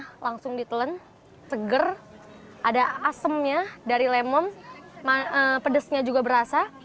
nah langsung ditelen seger ada asemnya dari lemom pedesnya juga berasa